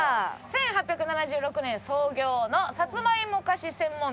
１８７６年創業のサツマイモ菓子専門店。